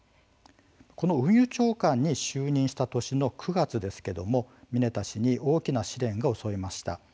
この運輸長官に就任した年の９月ですけれどもミネタ氏に大きな試練が襲いました。